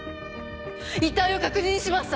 遺体を確認しました！